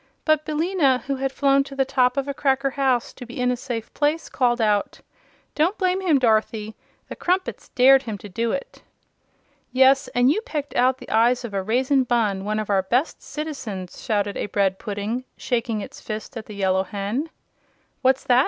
But Billina, who had flown to the top of a cracker house to be in a safe place, called out: "Don't blame him, Dorothy; the Crumpets dared him to do it." "Yes, and you pecked out the eyes of a Raisin Bunn one of our best citizens!" shouted a bread pudding, shaking its fist at the Yellow Hen. "What's that!